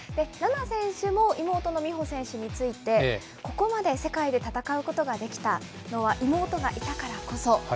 菜那選手も、妹の美帆選手について、ここまで世界で戦うことができたのは妹がいたからこそ。